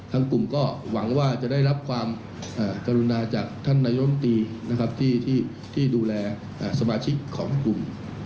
กลุ่มก็หวังว่าจะได้รับความกรุณาจากท่านนายมตรีนะครับที่ดูแลสมาชิกของกลุ่ม